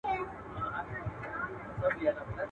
ولي د مورنۍ ژبي کارول د غلط فهمۍ مخه نيسي؟